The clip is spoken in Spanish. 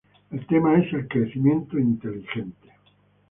El tema es el crecimiento "inteligente".